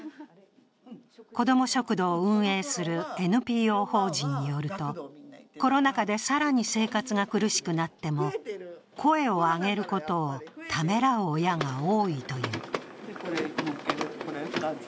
子ども食堂を運営するＮＰＯ法人によると、コロナ禍で更に生活が苦しくなっても声を上げることをためらう親が多いという。